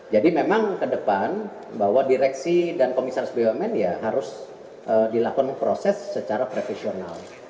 jadi memang ke depan bahwa direksi dan komisaris bumn ya harus dilakukan proses secara profesional